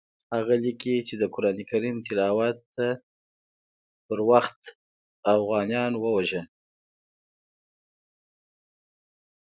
هغه لیکي چې د قرآن تلاوت په وخت اوغانیان ووژل.